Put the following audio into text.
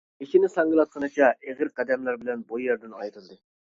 بېشىنى ساڭگىلاتقىنىچە ئېغىر قەدەملەر بىلەن بۇ يەردىن ئايرىلدى.